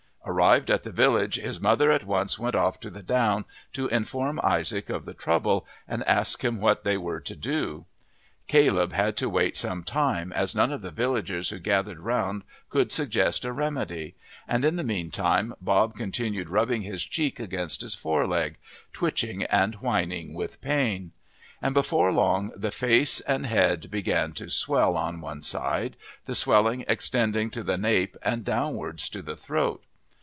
Arrived at the village his mother at once went off to the down to inform Isaac of the trouble and ask him what they were to do. Caleb had to wait some time, as none of the villagers who gathered round could suggest a remedy, and in the meantime Bob continued rubbing his cheek against his foreleg, twitching and whining with pain; and before long the face and head began to swell on one side, the swelling extending to the nape and downwards to the throat.